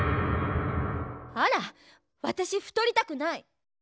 あらわたし太りたくない。